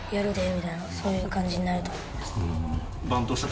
みたいな、そういう感じになると思いました。